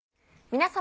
皆様。